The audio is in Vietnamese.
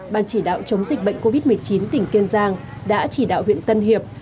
ban chỉ đạo chống dịch bệnh covid một mươi chín tỉnh kiên giang đã chỉ đạo huyện tân hiệp